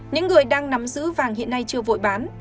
những người đang nắm giữ vàng hiện nay chưa vội bán